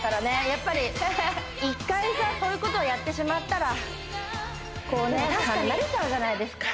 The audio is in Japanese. やっぱり１回そういうことをやってしまったらこうね慣れちゃうじゃないですか